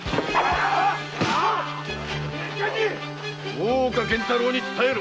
大岡源太郎に伝えろ。